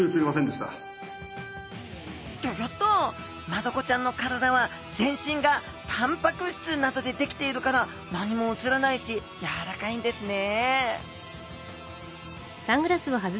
マダコちゃんの体は全身がタンパク質などで出来ているから何も写らないしやわらかいんですね